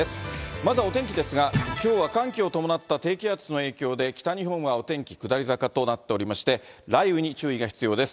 まずはお天気ですが、きょうは寒気を伴った低気圧の影響で、北日本はお天気下り坂となっておりまして、雷雨に注意が必要です。